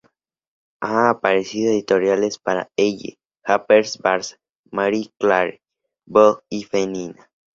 Ha aparecido en editoriales para Elle, Harpers Bazaar, Marie Claire, Vogue y Femina.